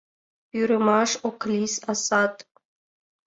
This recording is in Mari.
Пӱрымаш ок лий асат.